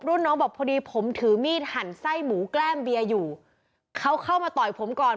รุ่นน้องบอกพอดีผมถือมีดหั่นไส้หมูแกล้มเบียร์อยู่เขาเข้ามาต่อยผมก่อน